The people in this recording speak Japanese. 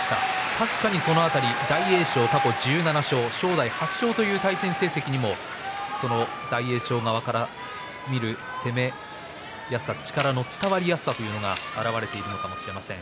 確かにその辺り大栄翔、過去１７勝正代８勝という対戦成績にも大栄翔側から見る攻めやすさ力の伝わり方が表れているのかもしれません。